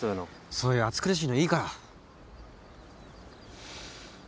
そういう暑苦しいのいいから。